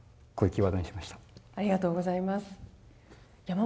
ありがとうございます。